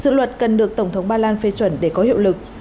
dự luật cần được tổng thống ba lan phê chuẩn để có hiệu lực